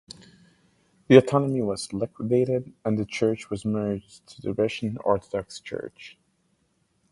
The autonomy was liquidated and the church was merged to the Russian Orthodox Church.